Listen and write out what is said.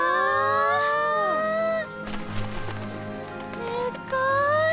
すっごい！